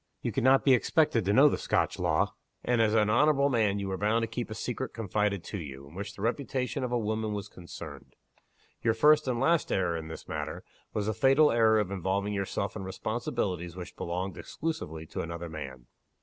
You could not be expected to know the Scotch law. And, as an honorable man, you were bound to keep a secret confided to you, in which the reputation of a woman was concerned. Your first and last error in this matter, was the fatal error of involving yourself in responsibilities which belonged exclusively to another man."